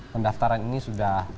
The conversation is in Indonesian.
pendaftaran ini sudah